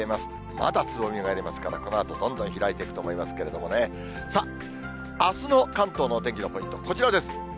まだつぼみがありますから、このあと、どんどん開いていくと思いますけどね、さあ、あすの関東のお天気のポイント、こちらです。